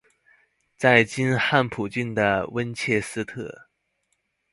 在今汉普郡的温切斯特。